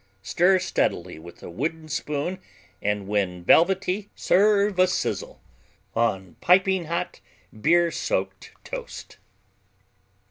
Stir steadily with a wooden spoon and, when velvety, serve a sizzle on piping hot beer soaked toast.